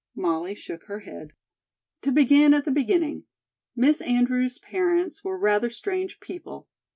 Molly shook her head. "To begin at the beginning: Miss Andrews' parents were rather strange people.